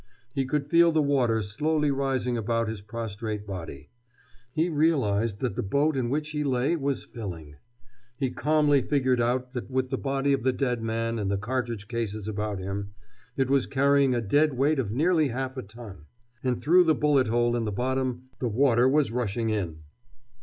He could feel the water slowly rising about his prostrate body. He realized that the boat in which he lay was filling. He calmly figured out that with the body of the dead man and the cartridge cases about him it was carrying a dead weight of nearly half a ton. And through the bullet hole in its bottom the water was rushing in.